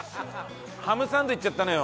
ハムサンドいっちゃったのよ。